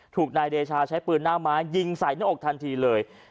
นายเดชาใช้ปืนหน้าม้ายิงใส่หน้าอกทันทีเลย